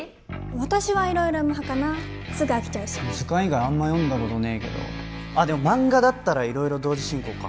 私は色々読む派かなすぐ飽きちゃうし図鑑以外あんま読んだことねえけどあでも漫画だったら色々同時進行か